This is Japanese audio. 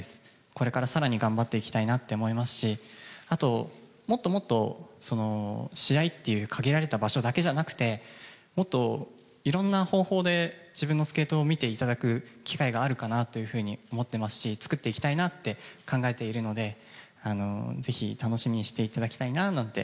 これからさらに頑張っていきたいなって思いますし、あと、もっともっとその、試合っていう限られた場所だけじゃなくて、もっといろんな方法で、自分のスケートを見ていただく機会があるかなっていうふうに思ってますし、作っていきたいなって考えているので、ぜひ、楽しみにしていただきたいなぁなんて